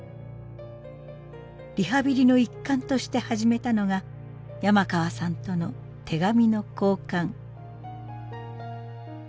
リハビリの一環として始めたのが山川さんとの手紙の交換。